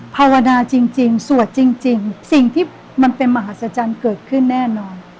ภาวนาจริงสวดจริงสิ่งที่มันเป็นมหาศจรรย์เกิดขึ้นแน่นอน